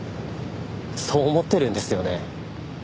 そう思ってるんですよね？